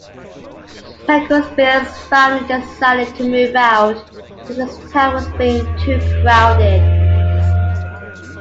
Pecos Bill's family decided to move out because his town was being "too crowded".